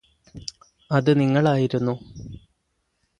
അത് നിങ്ങളായിരുന്നു